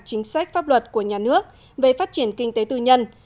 chính sách pháp luật của nhà nước về phát triển kinh tế tư nhân